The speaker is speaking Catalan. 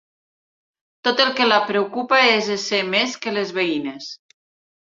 Tot el que la preocupa és ésser més que les veïnes.